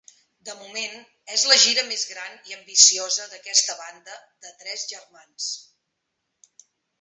De moment, és la gira més gran i ambiciosa d'aquesta banda de tres germans.